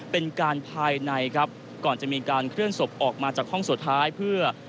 เป็นการภายในครับก่อนจะมีการเคลื่อนศพออกมาจากห้องสุดท้ายเพื่อ